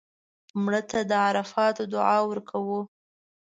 مړه ته د عرفاتو دعا ورکوو